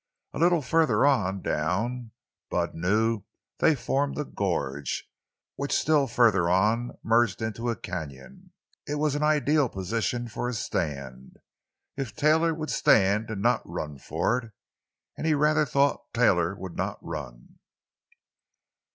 And a little farther down, Bud knew, they formed a gorge, which still farther on merged into a cañon. It was an ideal position for a stand—if Taylor would stand and not run for it; and he rather thought Taylor would not run.